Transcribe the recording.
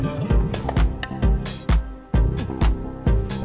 terima kasih bang